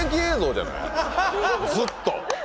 ずっと。